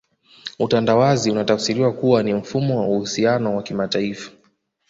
Utandawazi unatafsiriwa kuwa ni mfumo wa uhusiano wa kimataifa